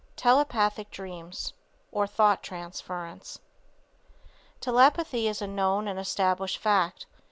TELEPATHIC DREAMS OR THOUGH TRANSFERENCE. Telepathy is a known and established fact.